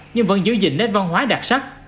nhưng vẫn giữ gìn nét văn hóa đặc sắc